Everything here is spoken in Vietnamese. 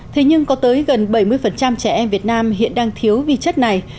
thế nhưng có tới gần bảy mươi trẻ em việt nam hiện đang thiếu vi chất này